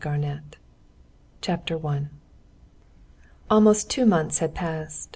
PART EIGHT Chapter 1 Almost two months had passed.